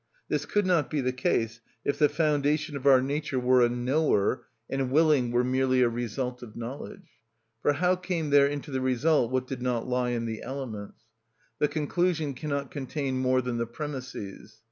This could not be the case if the foundation of our nature were a knower, and willing were merely a result of knowledge; for how came there into the result what did not lie in the elements? The conclusion cannot contain more than the premisses.